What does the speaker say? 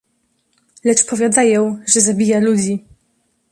"Lecz powiadają, że zabija ludzi."